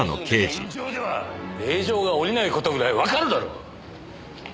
現状では令状が下りない事ぐらいわかるだろう！